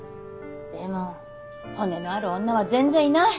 でも骨のある女は全然いない！